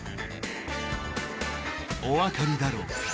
お分かりだろうか？